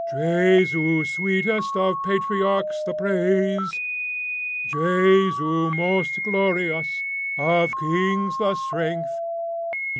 Jesu sweetest, of patriarchs the praise. Jesu most glorious, of kings the strength.